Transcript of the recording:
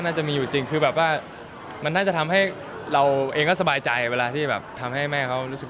น่าจะมีอยู่จริงคือแบบว่ามันน่าจะทำให้เราเองก็สบายใจเวลาที่แบบทำให้แม่เขารู้สึก